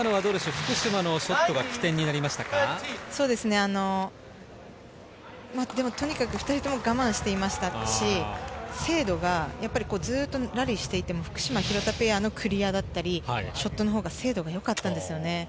福島のとにかく２人とも我慢していましたし、精度がずっとラリーをしていても、福島・廣田ペアのクリアだったり、ショットのほうがよかったですね。